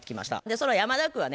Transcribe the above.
その山田君はね